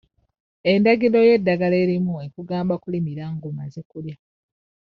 Endagiriro y'eddagala erimu ekugamba kulimira ng'omaze kulya.